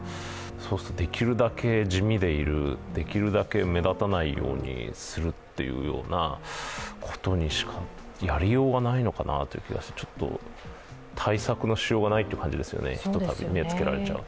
できるだけ地味でいる、できるだけ目立たないようにするということしかやりようがないのかなという気が、ちょっと対策のしようがないという感じですね、ひとたび目をつけられちゃうと。